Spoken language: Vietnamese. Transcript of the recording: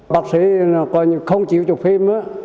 bác sĩ không chịu chụp phim